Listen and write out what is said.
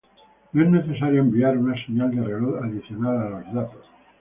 No es necesario enviar una señal de reloj adicional a los datos.